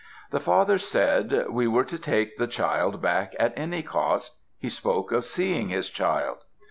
"The father said we were to take the child back at any cost; he spoke of seeing his child."